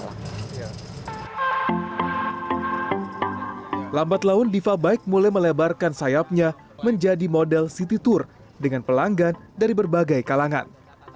lambat laun diva bike mulai melebarkan sayapnya menjadi model city tour dengan pelanggan dari berbagai kalangan